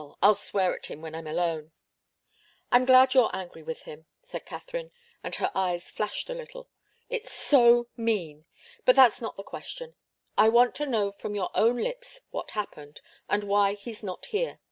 I'll swear at him when I'm alone." "I'm glad you're angry with him," said Katharine, and her eyes flashed a little. "It's so mean! But that's not the question. I want to know from your own lips what happened and why he's not here.